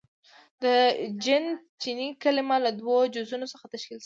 • د جن چیني کلمه له دوو جزونو څخه تشکیل شوې ده.